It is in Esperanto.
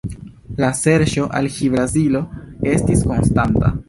La serĉo al Hi-Brazilo estis konstanta.